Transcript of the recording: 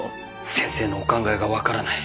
先生のお考えが分からない。